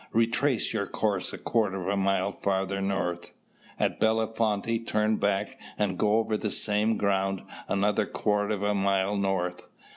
"Retrace your course a quarter of a mile farther north. At Bellefonte, turn back and go over the same ground another quarter of a mile north.